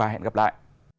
hẹn gặp lại